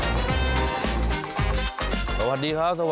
สวัสดีครับสวัสดีครับสวัสดีครับโอ้หมูสะเต๊ะเหรอ